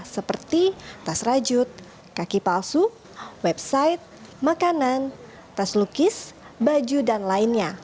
seperti tas rajut kaki palsu website makanan tas lukis baju dan lainnya